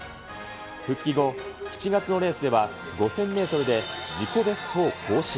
復帰後、７月のレースでは５０００メートルで自己ベストを更新。